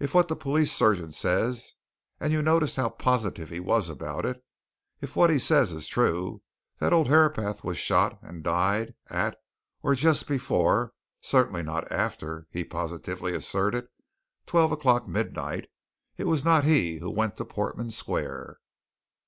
"If what the police surgeon says and you noticed how positive he was about it if what he says is true, that old Herapath was shot, and died, at, or just before (certainly not after, he positively asserted), twelve o'clock midnight, it was not he who went to Portman Square!"